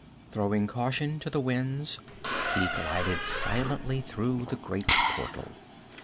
Throwing caution to the winds, he glided silently through the great portal.